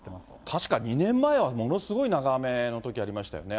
確か、２年前は、ものすごい長雨のときありましたよね。